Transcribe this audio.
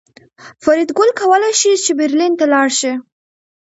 فریدګل کولی شول چې برلین ته لاړ شي